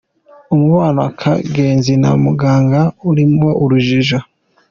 Umubano wa Kagenzi na Muganga urimo urujijo.